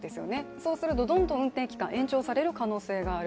そうするとどんどん運転期間が延長される可能性がある。